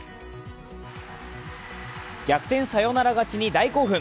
逆転サヨナラ勝ちに大興奮。